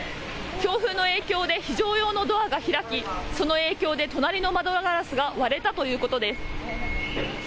強風の影響で非常用のドアが開きその影響で隣の窓ガラスが割れたということです。